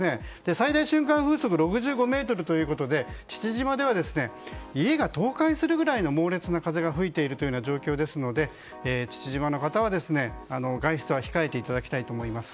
最大瞬間風速６５メートルということで父島では家が倒壊するぐらいの猛烈な風が吹いているという状況ですので父島の方は外出は控えていただきたいと思います。